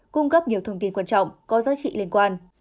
cung cấp nhiều thông tin quan trọng có giá trị liên quan